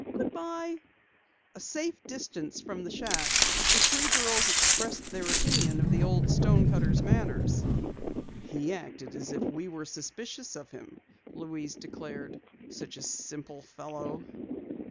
"Goodbye." A safe distance from the shack, the three girls expressed their opinion of the old stonecutter's manners. "He acted as if we were suspicious of him," Louise declared. "Such a simple fellow!"